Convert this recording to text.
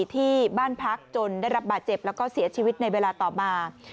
ที่บ้านพักจนได้รับบาดเจ็บแล้วก็เสียชีวิตในเวลาต่อมา